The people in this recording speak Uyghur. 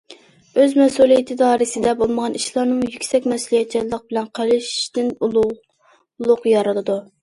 ئۆز مەسئۇلىيىتى دائىرىسىدە بولمىغان ئىشلارنىمۇ يۈكسەك مەسئۇلىيەتچانلىق بىلەن قىلىشتىن ئۇلۇغلۇق يارىلىدۇ.